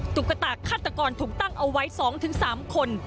ตุ๊กตาฆาตกรถูกตั้งเอาไว้๒๓คน